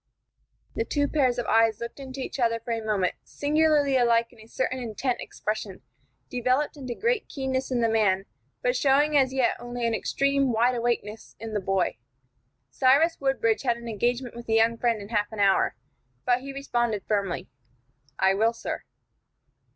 The two pairs of eyes looked into each other for a moment, singularly alike in a certain intent expression, developed into great keenness in the man, but showing as yet only an extreme wide awakeness in the boy. Cyrus Woodbridge had an engagement with a young friend in half an hour, but he responded, firmly: "I will, sir."